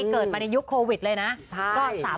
เกิดมาในยุคโควิดเลยนะ